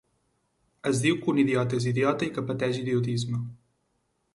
Es diu que un idiota és idiota i que pateix idiotisme.